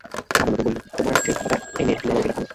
লাবণ্যকে বলিলেন, তোমার সেই খাতাটা এনে বিনয়বাবুকে দেখাও-না।